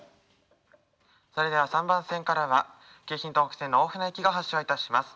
それでは３番線から京浜東北線の大船行きが発車をいたします。